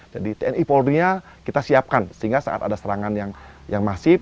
jadi tni polonia kita siapkan sehingga saat ada serangan yang masif